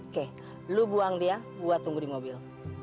oke lu buang dia buat tunggu di mobil